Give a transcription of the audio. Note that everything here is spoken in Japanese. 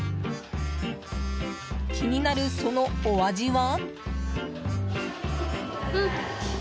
気になる、そのお味は。